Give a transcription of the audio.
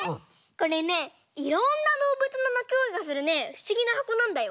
これねいろんなどうぶつのなきごえがするねふしぎなはこなんだよ。